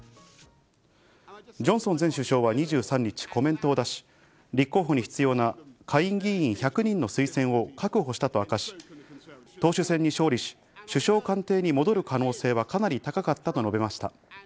ジョンソン前首相は２３日、コメントを出し、立候補に必要な下院議員１００人の推薦を確保したと明かし、党首選に勝利し、首相官邸に戻る可能性はかなり高かったと述べました。